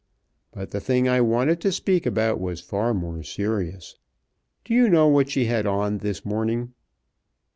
But the thing I wanted to speak about was far more serious. Do you know what she had on this morning?"